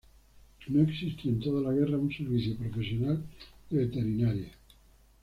No existió en toda la guerra un servicio profesional de veterinaria.